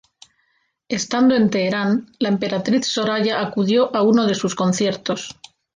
Estando en Teherán, la emperatriz Soraya acudió a uno de sus conciertos.